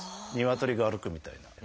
鶏が歩くみたいな。